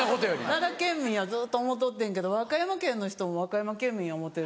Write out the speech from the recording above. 奈良県民やずっと思っとってんけど和歌山県の人も和歌山県民や思うてる。